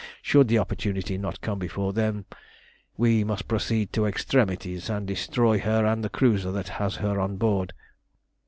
Should the opportunity not come before then, we must proceed to extremities, and destroy her and the cruiser that has her on board.